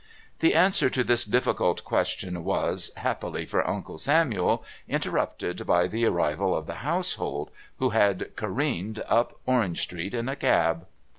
The answer to this difficult question was, happily for Uncle Samuel, interrupted by the arrival of the household, who had careened up Orange Street in a cab.